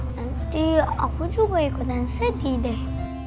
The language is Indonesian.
nanti aku juga ikut dan sedih deh